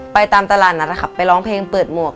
ไปตามตลาดนัดนะครับไปร้องเพลงเปิดหมวก